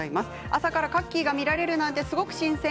朝からカッキーが見られるなんてすごく新鮮